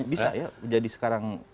bisa ya jadi sekarang